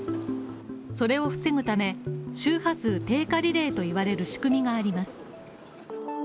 それを防ぐため、周波数低下リレーといわれる仕組みがあります。